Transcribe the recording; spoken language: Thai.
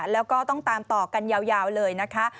แล้วก็ต้องตามต่อกันยาวเลยนะคะ